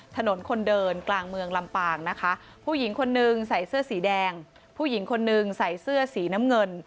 ถนนคนเดินกลางเมืองลำปางนะคะผู้หญิงคนนึงใส่เสื้อสีแดงผู้หญิงคนนึงใส่เสื้อสีน้ำเงิน